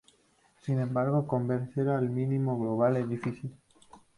Sin embargo, converger al mínimo global es difícil.